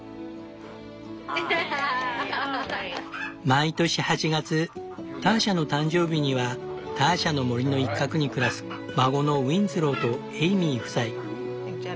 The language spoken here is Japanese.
毎年８月ターシャの誕生日にはターシャの森の一角に暮らす孫のウィンズローとエイミー夫妻。